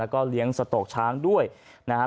ก็เลี้ยงสโตกช้างด้วยนะครับ